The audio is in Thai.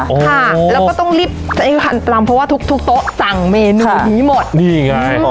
ค่ะแล้วก็ต้องรีบทำลำเพราะว่าทุกที่โต๊ะสั่งเมนูนี้หมดนี่ไงเออ